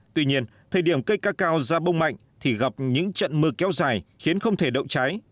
tuy nhiên thời điểm cây cacao ra bông mạnh thì gặp những trận mưa kéo dài khiến không thể đậu trái